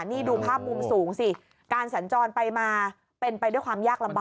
นี่ดูภาพมุมสูงสิการสัญจรไปมาเป็นไปด้วยความยากลำบาก